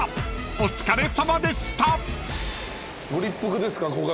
［お疲れさまでした］